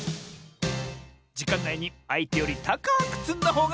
じかんないにあいてよりたかくつんだほうがかちサボよ！